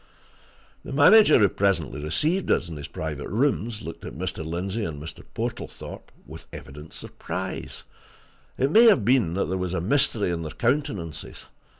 The manager, who presently received us in his private rooms, looked at Mr. Lindsey and Mr. Portlethorpe with evident surprise it may have been that there was mystery in their countenances.